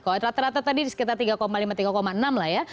kalau rata rata tadi di sekitar tiga lima tiga enam lah ya